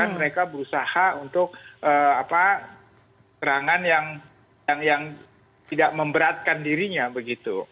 mereka berusaha untuk serangan yang tidak memberatkan dirinya begitu